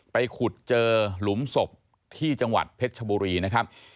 ขุดเจอหลุมศพที่จังหวัดเพชรชบุรีนะครับ